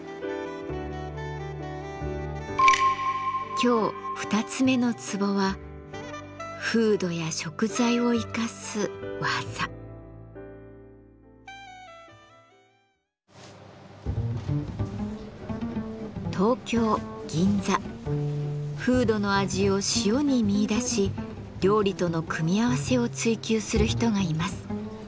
今日二つ目のツボは風土の味を塩に見いだし料理との組み合わせを追求する人がいます。